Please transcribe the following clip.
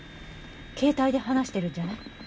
携帯で話してるんじゃない？